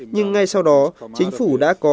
nhưng ngay sau đó chính phủ đã có